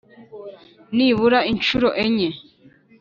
nibura inshuro enye